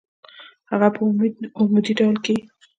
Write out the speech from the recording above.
هغه په عمودي ډول کیږدئ.